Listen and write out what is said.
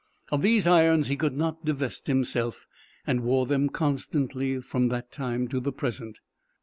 Of these irons he could not divest himself, and wore them constantly from that time to the present.